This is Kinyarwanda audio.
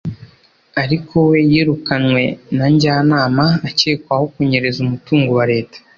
ariko we yirukanywe na Njyanama akekwaho kunyereza umutungo wa Leta